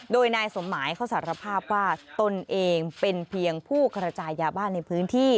โดยนายสมหมายเขาสารภาพว่าตนเองเป็นเพียงผู้กระจายยาบ้านในพื้นที่